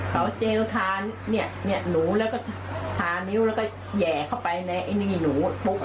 เค้าเจลป์ทานหนูแล้วก็ทานิ้วแล้วก็แยกเข้าไปในหนู